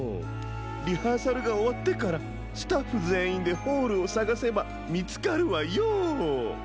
リハーサルがおわってからスタッフぜんいんでホールをさがせばみつかるわよ。